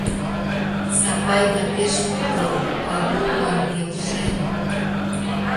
Сапайда пеш мотор: Пагуллан келшен.